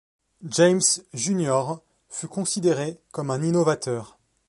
James Junior fut considéré comme un innovateur.